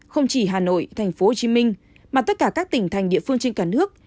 không chỉ hà nội tp hcm mà tất cả các tỉnh thành địa phương trên cả nước